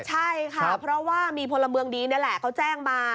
ใช่ค่ะเพราะว่ามีพลเมืองดีนี่แหละเขาแจ้งมา